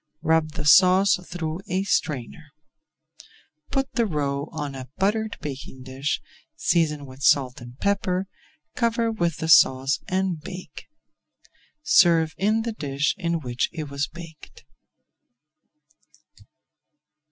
Rub the sauce through a strainer. Put the roe on a buttered baking dish, season with salt and pepper, cover with the sauce and bake. Serve in the dish in which it was baked.